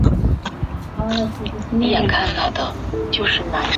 因此世界一流的运动员往往都会在力所能及的范围内练习高难度的联合跳跃。